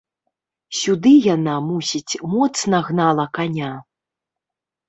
Сюды яна, мусіць, моцна гнала каня.